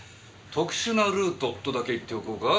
「特殊なルート」とだけ言っておこうか。